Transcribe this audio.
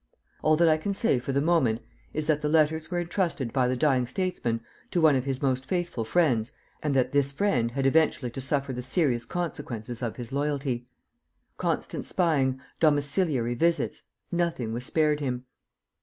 "All that I can say for the moment is that the letters were entrusted by the dying statesman to one of his most faithful friends and that this friend had eventually to suffer the serious consequences of his loyalty. Constant spying, domiciliary visits, nothing was spared him.